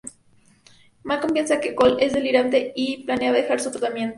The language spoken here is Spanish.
Malcolm piensa que Cole es delirante y planea dejar su tratamiento.